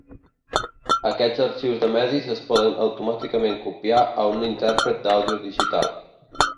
Aquests arxius de medis es poden automàticament copiar a un intèrpret d'àudio digital.